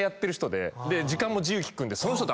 時間も自由利くんで。